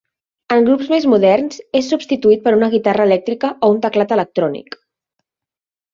En grups més moderns, es substituït per una guitarra elèctrica o un teclat electrònic.